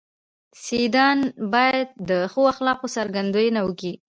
سيدان بايد د ښو اخلاقو څرګندونه وکي.